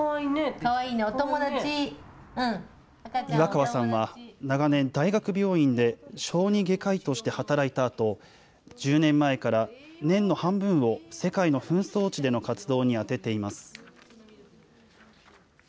岩川さんは、長年、大学病院で小児外科医として働いたあと、１０年前から、年の半分を世界の紛争地での活動に充てています。